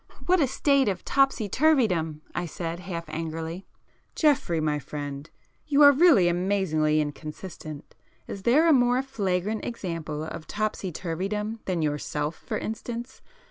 "What a state of topsy turveydom!" I said, half angrily. "Geoffrey, my friend, you are really amazingly inconsistent! Is there a more flagrant example of topsy turveydom than yourself for instance?